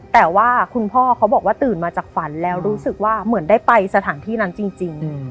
แต่ว่าคุณพ่อเขาบอกว่าตื่นมาจากฝันแล้วรู้สึกว่าเหมือนได้ไปสถานที่นั้นจริง